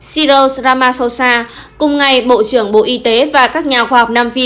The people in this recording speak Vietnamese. cyrus ramaphosa cùng ngay bộ trưởng bộ y tế và các nhà khoa học nam phi